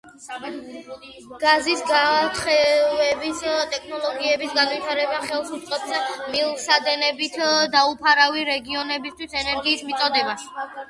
გაზის გათხევადების ტექნოლოგიების განვითარება ხელს შეუწყობს მილსადენებით დაუფარავი რეგიონებისათვის ენერგიის მიწოდებას.